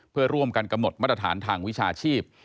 เพื่อร่วมกันกำหนดมาตรฐานทางวิชาชีพ